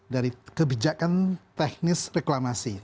dari kebijakan teknis reklamasi